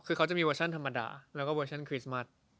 คือเขาจะมีเวอร์ชันธรรมดาแล้วก็เวอร์ชันคริสต์มัส